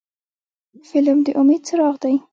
فلم د امید څراغ دی